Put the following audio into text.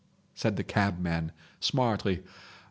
said the cabman, smartly.